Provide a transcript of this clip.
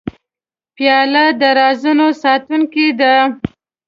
پیاله د رازونو ساتونکې ده.